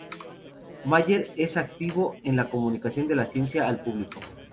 Meyer es activo en la comunicación de la ciencia al público.